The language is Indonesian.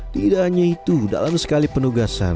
tidak hanya itu dalam sekali penugasan